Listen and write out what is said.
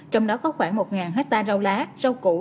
trong đó có khoảng một hectare rau lá rau củ